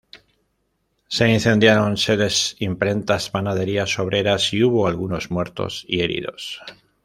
Se incendiaron sedes, imprentas, panaderías obreras y hubo algunos muertos y heridos.